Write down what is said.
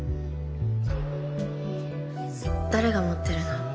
誰が持ってるの？